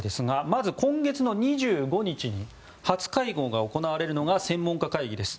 まず今月の２５日に初会合が行われるのが専門家会議です。